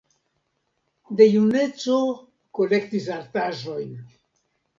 De juneco kolektis artaĵojn.